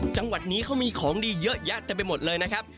จังหวัดนี้เขามีของดีเยอะแยะเต็มไปหมดเลยนะครับ